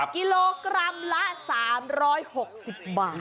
กิโลกรัมละ๓๖๐บาท